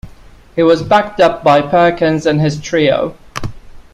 He was backed up by Perkins and his trio.